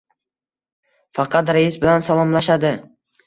Faqat rais bilan salomlashadi.